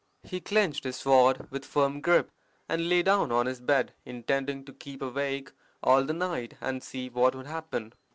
He clenched his sword with firm grip, and lay down on his bed, intending to keep awake all the night and see what would happen.